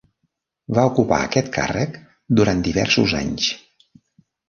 Va ocupar aquest càrrec durant diversos anys.